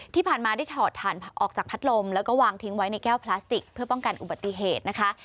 ที่ผ่านมาได้ถอดถ่านออกจากพัดลมแล้วก็วางทิ้งไว้ในแก้วพลาสติกเพื่อป้องกันอุบัติเหตุนะคะ